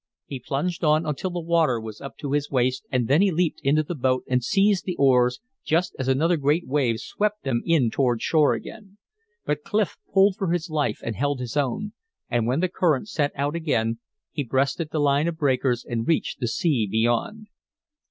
He plunged on until the water was up to his waist, and then he leaped into the boat and seized the oars just as another great wave swept them in toward shore again. But Clif pulled for his life and held his own; and when the current set out again, he breasted the line of breakers and reached the sea beyond.